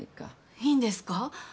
いいんですか？